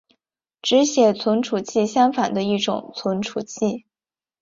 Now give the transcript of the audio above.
只写存储器相反的一种存储器。